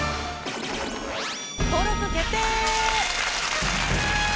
登録決定！